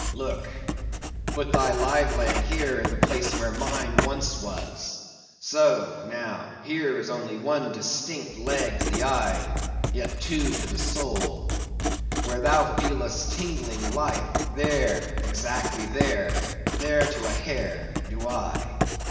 Look, put thy live leg here in the place where mine once was; so, now, here is only one distinct leg to the eye, yet two to the soul. Where thou feelest tingling life; there, exactly there, there to a hair, do I.